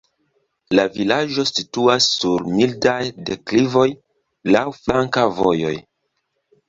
La vilaĝo situas sur mildaj deklivoj, laŭ flanka vojoj.